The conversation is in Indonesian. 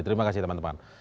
terima kasih teman teman